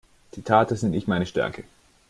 Zitate sind nicht meine Stärke.